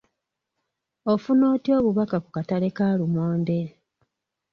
Ofuna otya obubaka ku kataale ka lumonde?